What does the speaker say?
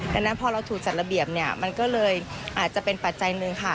ดังนั้นพอเราถูกจัดระเบียบเนี่ยมันก็เลยอาจจะเป็นปัจจัยหนึ่งค่ะ